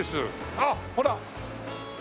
あっほら。